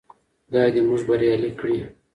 خدای دې موږ بريالي کړي.